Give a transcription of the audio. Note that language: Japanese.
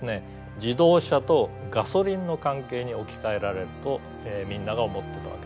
自動車とガソリンの関係に置き換えられるとみんなが思ってたわけですね。